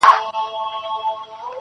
تـلاوت دي د ښايستو شعرو كومه.